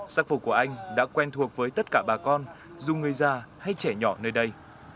sắc phục của anh đã quen thuộc với tất cả bà con dù người già hay trẻ nhỏ nơi đây